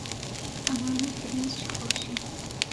ئەمانە فرمێسکی خۆشین.